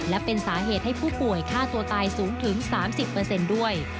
และเป็นสาเหตุให้ผู้ป่วยฆ่าตัวตายสูงถึง๓๐ด้วย